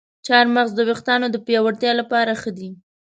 چارمغز د ویښتانو د پیاوړتیا لپاره ښه دی.